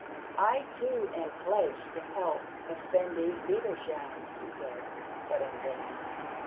"I too am pledged to help Effendi Feversham," he said, but in vain.